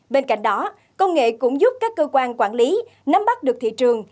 bên cạnh đó công nghệ cũng giúp các cơ quan quản lý nắm bắt được thị trường